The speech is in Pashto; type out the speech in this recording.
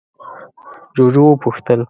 جُوجُو وپوښتل: